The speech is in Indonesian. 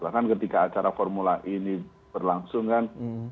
bahkan ketika acara formula e ini berlangsung kan